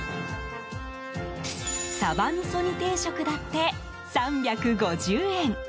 サバ味噌煮定食だって３５０円。